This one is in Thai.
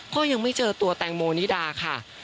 ก็ยังไม่เจอตัวแตงโมนิดาค่ะ